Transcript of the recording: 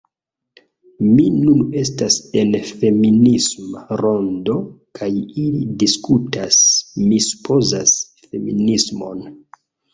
Mi nun estas en feminisma rondo kaj ili diskutas... mi supozas... feminismon